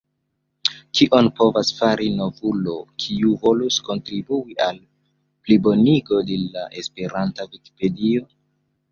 Kion povas fari novulo, kiu volus kontribui al plibonigo de la esperanta Vikipedio?